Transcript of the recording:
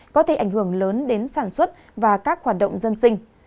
có thể ảnh hưởng lớn đến sản xuất và các hoạt động dân sinh